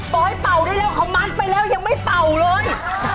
ปล่อยให้เป่าได้แล้วเขามัดไปแล้วยังไม่เป่าเลย